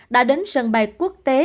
đã đến sân bay quốc tế